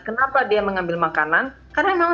kenapa dia mengambil makanan karena emang